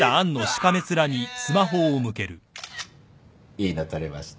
いいの撮れました。